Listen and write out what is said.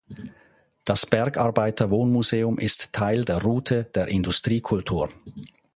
Das Bergarbeiter-Wohnmuseum ist Teil der Route der Industriekultur.